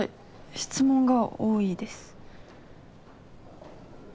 質問が多いです。